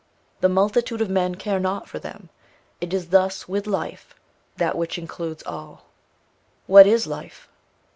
The multitude of men care not for them. It is thus with Life that which includes all. What is life?